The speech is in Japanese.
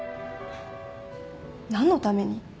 何のために？